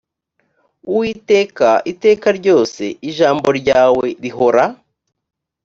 uwiteka iteka ryose ijambo ryawe rihora